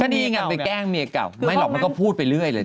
นี่ไงไปแกล้งเมียเก่าไม่หรอกมันก็พูดไปเรื่อยเลย